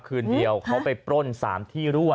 คืนเดียวเขาไปปล้น๓ที่รั่ว